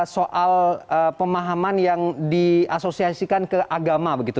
soal pemahaman yang diasosiasikan ke agama begitu